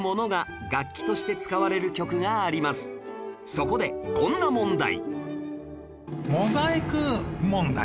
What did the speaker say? そこでこんな問題